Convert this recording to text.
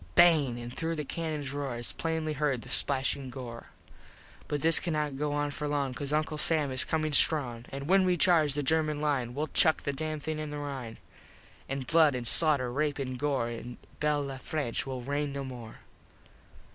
Bang! And through the cannons roar Is plainly herd the splashin gore. IV But this cannot go on for long, Cause Uncle Sam is comin strong. An when we charge the German line We'll chuck the dam thing in the Rine. An blood an slauter, rape an gore In Bel Le France will rain no more.